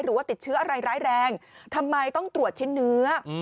หรือว่าติดเชื้ออะไรร้ายแรงทำไมต้องตรวจชิ้นเนื้อ